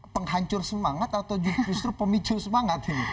penghancur semangat atau justru pemicu semangat